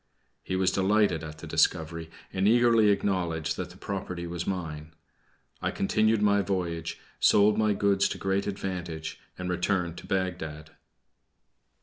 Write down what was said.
He was delighted at the discovery, and eagerly acknowledged that the property was mine. I continued my voyage, sold my goods to great advantage, and returned to Bagdad.